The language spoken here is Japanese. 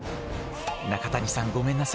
中谷さんごめんなさい。